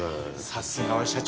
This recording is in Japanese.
さすがは社長